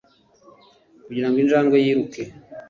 kugirango injangwe yi ruke